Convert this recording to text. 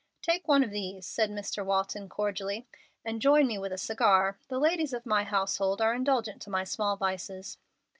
"Take one of these," said Mr. Walton, cordially, "and join me with a cigar. The ladies of my household are indulgent to my small vices."